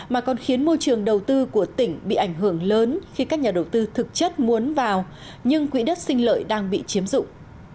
mà còn khiến môi trường đầu tư của tỉnh bị ảnh hưởng lớn khi các nhà đầu tư thực chất muốn vào nhưng quỹ đất sinh lợi đang bị chiếm dụng